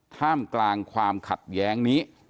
ท่ามกลางความขัดแย้งนี้